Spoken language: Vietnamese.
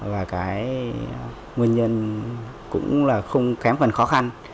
và cái nguyên nhân cũng là không kém phần khó khăn